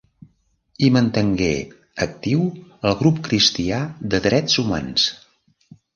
Hi mantengué actiu el Grup cristià de Drets Humans.